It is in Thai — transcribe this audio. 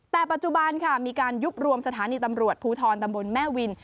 แต่ปัจจุบันค่ะมีการยุบรวมสถานีตำรวจภูทรตำบลแม่วิน